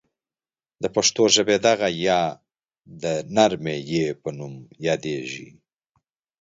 د پښتو ژبې دغه یا ی د نرمې یا په نوم یادیږي.